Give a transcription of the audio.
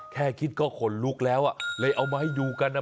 แค่คิดก็ขนลุกแล้วอ่ะเลยเอามาให้ดูกันนะ